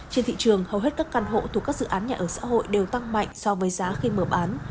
trên thị trường hầu hết các căn hộ thuộc các dự án nhà ở xã hội đều tăng mạnh so với giá khi mở bán